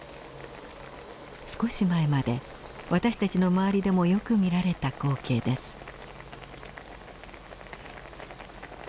少し前まで私たちの周りでもよく見られた光景です。